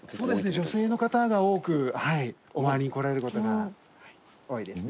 女性の方が多くお参りに来られることが多いですね。